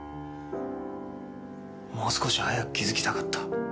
もう少し早く気づきたかった。